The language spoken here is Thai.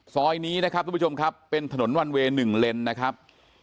ซอยนี้นะครับทุกผู้ชมครับเป็นถนนวันเวย์๑เลนนะครับ